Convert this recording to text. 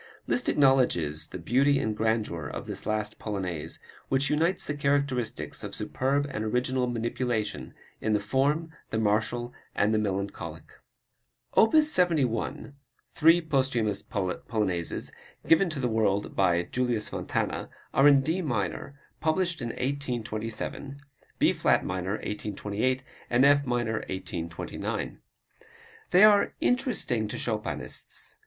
Liszt acknowledges the beauty and grandeur of this last Polonaise, which unites the characteristics of superb and original manipulation of the form, the martial and the melancholic. Opus 71, three posthumous Polonaises, given to the world by Julius Fontana, are in D minor, published in 1827, B flat major, 1828, and F minor, 1829. They are interesting to Chopinists.